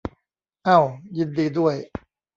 เอ้า ยินดีด้วย